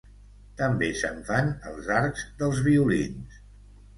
També se'n fan els arcs dels violins.